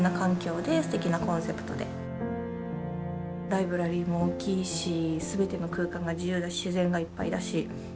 ライブラリーも大きいし全ての空間が自由だし自然がいっぱいだし。